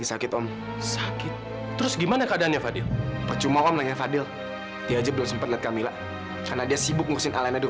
sampai jumpa di video selanjutnya